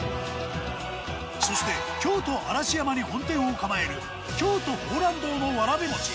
そして京都嵐山に本店を構える京都峯嵐堂のわらびもち。